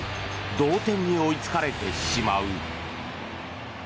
同点に追いつかれてしまう。